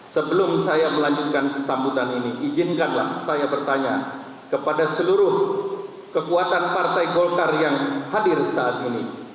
sebelum saya melanjutkan sambutan ini izinkanlah saya bertanya kepada seluruh kekuatan partai golkar yang hadir saat ini